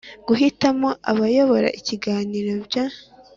Guhitamo abayobora ibiganiro by